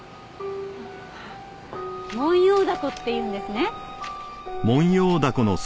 モンヨウダコっていうんですね。